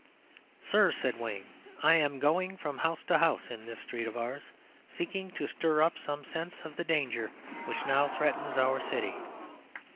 "Sir," said Wayne, "I am going from house to house in this street of ours, seeking to stir up some sense of the danger which now threatens our city.